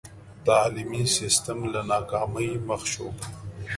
تعلیمي سسټم له ناکامۍ مخ شو.